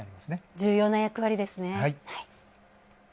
重要な役割ですね。